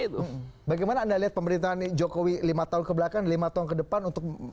tapi bagaimana anda lihat pemerintahan jokowi lima tahun kebelakang lima tahun ke depan untuk